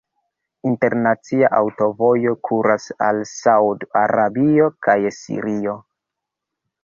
Internacia aŭtovojo kuras al Saud-Arabio kaj Sirio.